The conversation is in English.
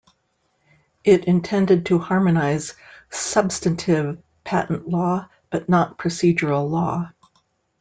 It intended to harmonize substantive patent law but not procedural law.